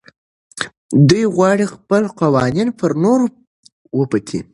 دوی غواړي خپل قوانین پر نورو وتپي.